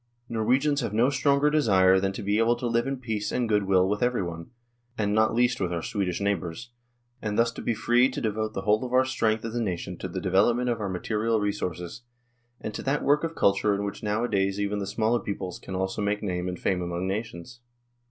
Nor wegians have no stronger desire than to be able to live in peace and goodwill with everyone, and not least with our Swedish neighbours, and thus to be free to devote the whole of our strength as a nation to the development of our material resources, and to that work of culture in which nowadays even the smaller peoples can also make name and fame among nations.